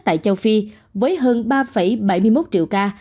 với số ca mắc nhất tại châu phi với hơn ba bảy mươi một triệu ca